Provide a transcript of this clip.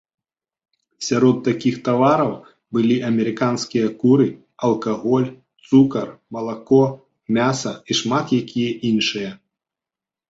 Сярод такіх тавараў былі амерыканскія куры, алкаголь, цукар, малако, мяса і шмат якія іншыя.